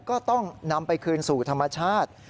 ก็ต้องนำไปคืนสู่ธรรมชาติ